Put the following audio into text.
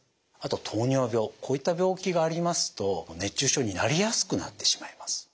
こういった病気がありますと熱中症になりやすくなってしまいます。